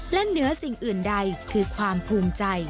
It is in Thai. และเหนือสิ่งอื่นใดคือความภูมิใจ